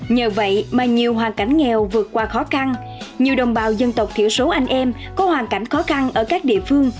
nhờ vậy mà nhiều hoàn cảnh nghèo vượt qua khó khăn nhiều đồng bào dân tộc thiểu số anh em có hoàn cảnh khó khăn ở các địa phương